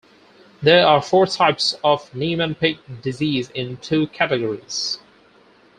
There are four types of Niemann-Pick disease in two categories.